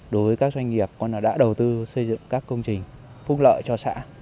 đối với các doanh nghiệp đã đầu tư xây dựng các công trình phúc lợi cho xã